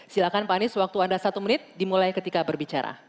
silakan pak anies waktu anda satu menit dimulai ketika berbicara